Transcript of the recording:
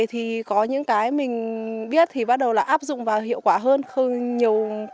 thì có những cái mình biết thì bắt đầu là áp dụng và hiệu quả hơn hơn nhiều